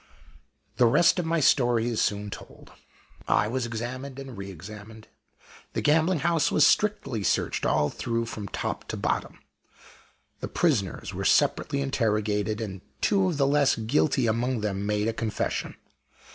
_" The rest of my story is soon told. I was examined and re examined; the gambling house was strictly searched all through from top to bottom; the prisoners were separately interrogated; and two of the less guilty among them made a confession.